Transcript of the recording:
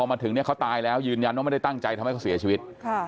มาถึงเนี่ยเขาตายแล้วยืนยันว่าไม่ได้ตั้งใจทำให้เขาเสียชีวิต